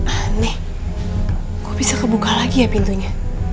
aneh kok bisa kebuka lagi ya pintunya